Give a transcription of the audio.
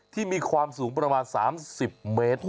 ที่มีความสูงประมาณ๓๐เมตร